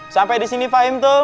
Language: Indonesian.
sampai disini fahim tuh